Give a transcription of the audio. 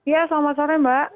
ya selamat sore mbak